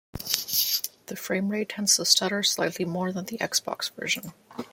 The framerate tends to stutter slightly more than the Xbox version.